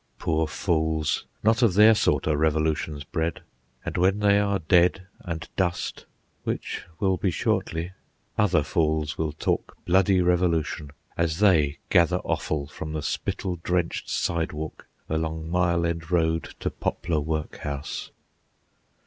Poor fools! Not of their sort are revolutions bred. And when they are dead and dust, which will be shortly, other fools will talk bloody revolution as they gather offal from the spittle drenched sidewalk along Mile End Road to Poplar Workhouse.